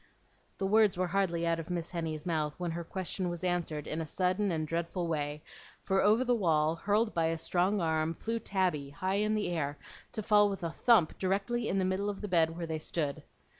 The words were hardly out of Miss Henny's mouth when her question was answered in a sudden and dreadful way; for over the wall, hurled by a strong arm, flew Tabby, high in the air, to fall with a thump directly in the middle of the bed where they stood.